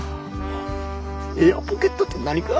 エアポケットって何か？